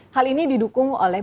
hal ini didukung oleh